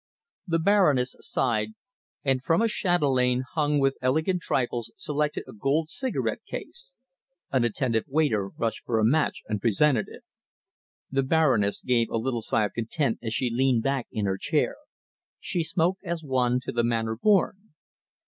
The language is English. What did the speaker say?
The Baroness sighed, and from a chatelaine hung with elegant trifles selected a gold cigarette case. An attentive waiter rushed for a match and presented it. The Baroness gave a little sigh of content as she leaned back in her chair. She smoked as one to the manner born.